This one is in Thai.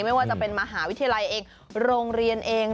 ไม่ว่าจะเป็นมหาวิทยาลัยเองโรงเรียนเอง